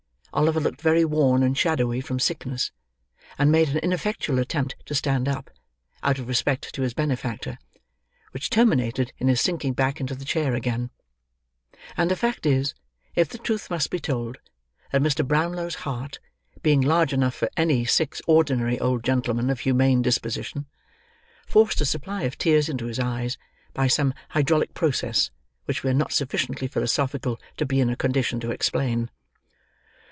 Oliver looked very worn and shadowy from sickness, and made an ineffectual attempt to stand up, out of respect to his benefactor, which terminated in his sinking back into the chair again; and the fact is, if the truth must be told, that Mr. Brownlow's heart, being large enough for any six ordinary old gentlemen of humane disposition, forced a supply of tears into his eyes, by some hydraulic process which we are not sufficiently philosophical to be in a condition to explain.